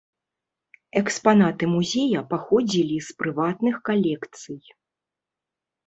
Экспанаты музея паходзілі з прыватных калекцый.